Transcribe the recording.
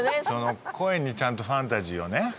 その声にちゃんとファンタジーをね。